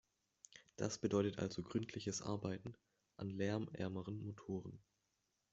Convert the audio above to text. Das bedeutet also gründliches Arbeiten an lärmärmeren Motoren.